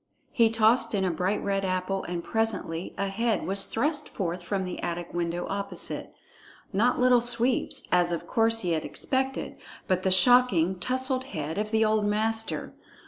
He tossed in a bright red apple, and presently a head was thrust forth from the attic window opposite. Not Little Sweep's, as of course he had expected, but the shocking, tousled head of the old master.